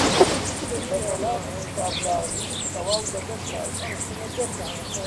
دەسەڵاتی سابڵاغی تەواو لە دەستابوو